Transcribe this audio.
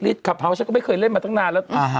คาเฮาสฉันก็ไม่เคยเล่นมาตั้งนานแล้ว